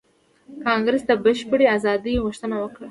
کانګریس د بشپړې ازادۍ غوښتنه وکړه.